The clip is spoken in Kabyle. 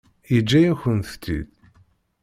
Yeǧǧa-yakent-tt-id?